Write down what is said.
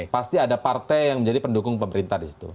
pasti ada partai yang menjadi pendukung pemerintah di situ